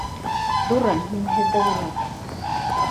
Дура, мин һеҙҙе уйлап...